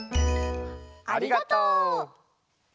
ありがとう！